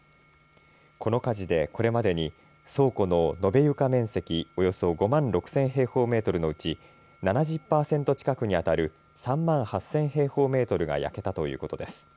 この火事で、これまでに倉庫の延べ床面積およそ５万６０００平方メートルのうち７０％近くにあたる３万８０００平方メートルが焼けたということです。